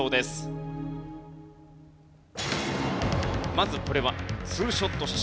まずこれはツーショット写真。